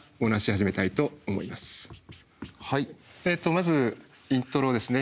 まずイントロですね。